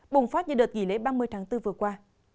bùng phát như đợt nghỉ lễ ba mươi tháng bốn vừa qua